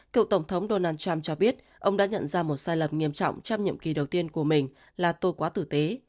cựu tổng thống donald trump cho biết ông đã nhận ra một sai lầm nghiêm trọng trong nhiệm kỳ đầu tiên của mình là tôi quá tử tế